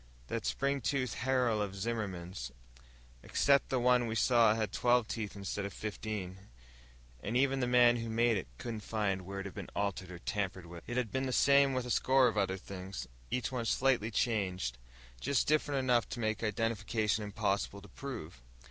"That spring toothed harrow of Zimmerman's." "Except the one we saw had twelve teeth instead of fifteen. And even the man who made it couldn't find where it had been altered or tampered with." It had been the same with a score of other things. Each one slightly changed, just different enough to make identification impossible to prove.